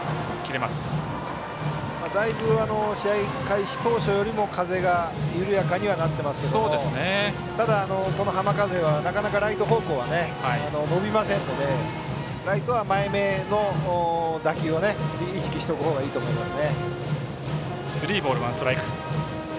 だいぶ、試合開始当初よりも風が緩やかになっていますがただ、この浜風はなかなかライト方向は伸びませんのでライトは前めの打球を意識しておく方がいいと思います。